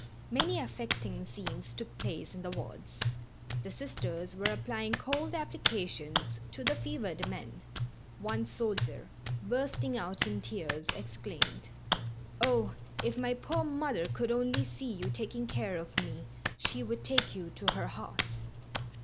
Many affecting scenes took place in the wards. The Sisters were applying cold applications to the fevered men. One soldier, bursting out in tears, exclaimed: "Oh, if my poor mother could only see you taking care of me she would take you to her heart."